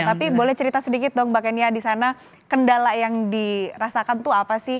tapi boleh cerita sedikit dong mbak kenia di sana kendala yang dirasakan tuh apa sih